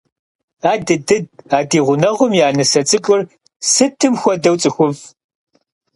Адыдыд, а ди гъунэгъум я нысэ цӀыкӀур сытым хуэдэу цӀыхуфӏ.